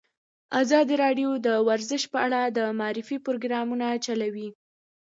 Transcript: ازادي راډیو د ورزش په اړه د معارفې پروګرامونه چلولي.